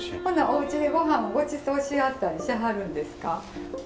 ほなおうちでごはんごちそうし合ったりしはるんですか？